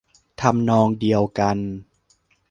ทำนองเดียวกับ